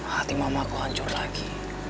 hati mama aku hancur lagi